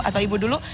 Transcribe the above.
atau ibu dulu